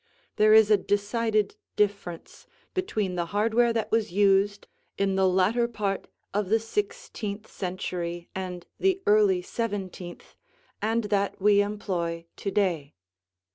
There is a decided difference between the hardware that was used in the latter part of the sixteenth century and the early seventeenth and that we employ to day.